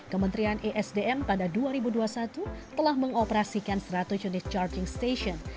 kementerian esdm pada dua ribu dua puluh satu telah mengoperasikan seratus unit charging station